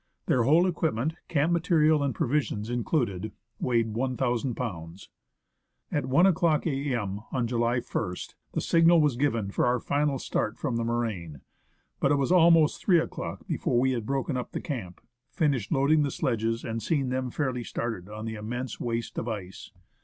Their whole equip ment, camp material and provisions included, weighed 1,000 lbs. At I o'clock a.m., on July ist, the signal was given for our final start from the moraine ; but it was almost 3 o'clock before we had broken up the camp, finished loading the sledges, and seen them fairly started on the immense waste of ice.